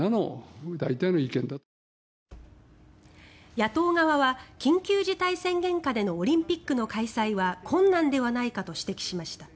野党側は緊急事態宣言下でのオリンピックの開催は困難ではないかと指摘しました。